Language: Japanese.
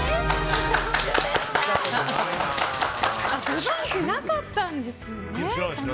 ご存じなかったんですね。